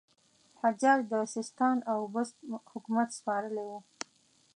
حجاج د سیستان او بست حکومت سپارلی وو.